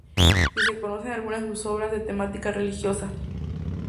Sí se conocen algunas de sus obras de temática religiosa.